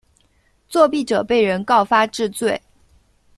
作弊者被人告发治罪。